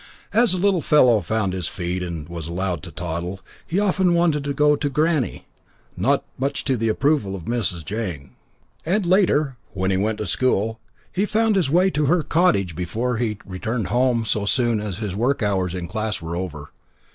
As the little fellow found his feet and was allowed to toddle, he often wanted to "go to granny," not much to the approval of Mrs. Jane. And, later, when he went to school, he found his way to her cottage before he returned home so soon as his work hours in class were over.